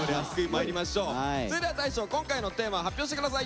それでは大昇今回のテーマ発表して下さい。